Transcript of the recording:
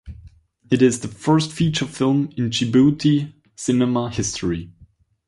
It is the first feature film in Djibouti cinema history.